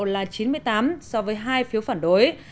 là chín mươi tám so với hai phiếu phản đối